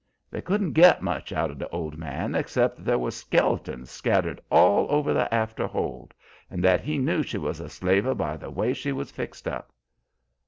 They couldn't get much out o' the old man, except that there was skel'tons scattered all over the after hold, and that he knew she was a slaver by the way she was fixed up.